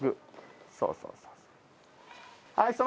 そうそうそうそう。